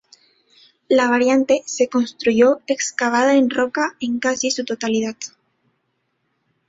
La variante se construyó excavada en roca en casi su totalidad.